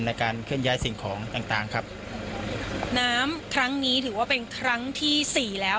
ในการเคลื่อนย้ายสิ่งของต่างต่างครับน้ำครั้งนี้ถือว่าเป็นครั้งที่สี่แล้ว